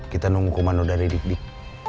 kita nunggu kumanudari dik dik